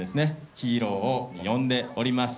ヒーローを呼んでおります。